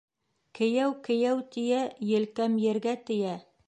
«Кейәү-кейәү» тиә, елкәм ергә тейә.